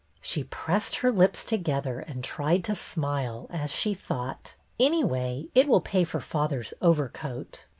She pressed her lips together and tried to smile as she thought : Anyway, it will pay for father's overcoat."